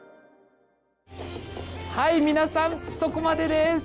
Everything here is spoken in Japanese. はい皆さんそこまでです。